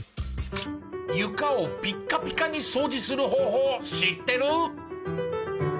床をピッカピカに掃除する方法知ってる？